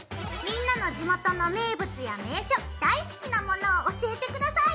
みんなの地元の名物や名所大好きなものを教えて下さい！